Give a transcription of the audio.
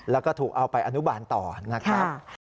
แล้วก็ถูกเอาไปอนุบาลต่อนะครับ